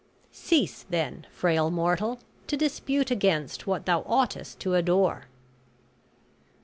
Cease, then, frail mortal, to dispute against what thou oughtest to adore."